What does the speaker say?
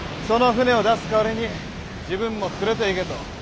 その船を出す代わりに自分も連れていけと。